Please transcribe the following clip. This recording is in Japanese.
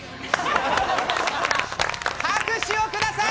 拍手をください。